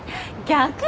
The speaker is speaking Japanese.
逆。